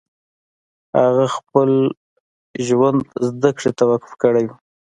هغو خپل ژوند زدکړې ته وقف کړی و